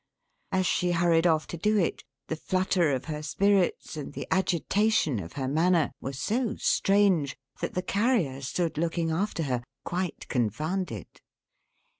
As she hurried off to do it, the flutter of her spirits, and the agitation of her manner, were so strange, that the Carrier stood looking after her, quite confounded.